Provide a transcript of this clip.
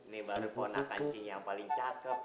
nih baru ponakan cing yang paling cakep